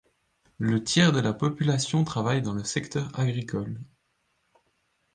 Le tiers de la population travaille dans le secteur agricole.